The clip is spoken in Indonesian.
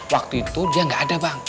waktu itu dia nggak ada bang